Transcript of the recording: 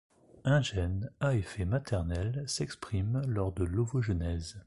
Un gène à effet maternel s'exprime lors de l'ovogenèse.